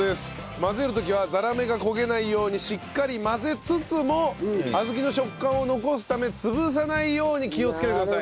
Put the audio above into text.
混ぜる時はザラメが焦げないようにしっかり混ぜつつも小豆の食感を残すため潰さないように気をつけてください。